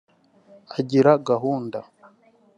agira gahunda